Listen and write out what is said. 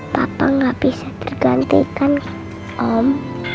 papa nggak bisa digantikan om